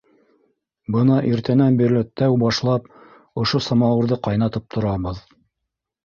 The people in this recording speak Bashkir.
Бына иртәнән бирле тәү башлап ошо самауырҙы ҡайнатып торабыҙ.